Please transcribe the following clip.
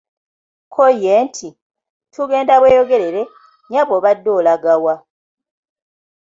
Kko ye nti, "Tugenda Bweyogerere, nnyabo obadde olaga wa?"